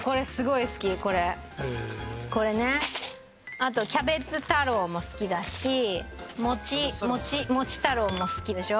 あとキャベツ太郎も好きだし餅太郎も好きでしょ。